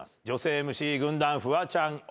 女性ＭＣ軍団フワちゃん